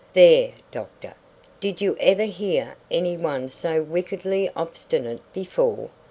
"There, doctor, did you ever hear any one so wickedly obstinate before?"